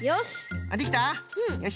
よし！